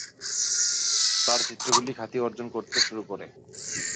তাঁর চিত্রগুলি খ্যাতি অর্জন করতে শুরু করে।